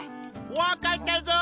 分かったぞ！